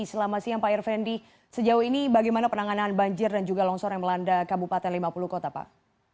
selamat siang pak irvendi sejauh ini bagaimana penanganan banjir dan juga longsor yang melanda kabupaten lima puluh kota pak